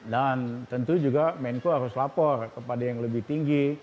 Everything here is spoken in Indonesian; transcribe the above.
dan tentu juga menko harus lapor kepada yang lebih tinggi